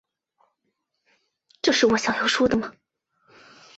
这是我想要说的吗